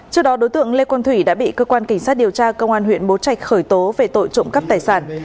trước đó đối tượng lê quang thủy đã bị cơ quan cảnh sát điều tra công an huyện bố trạch khởi tố về tội trộm cắp tài sản